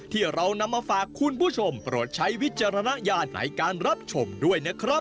ที่เรานำมาฝากคุณผู้ชมโปรดใช้วิจารณญาณในการรับชมด้วยนะครับ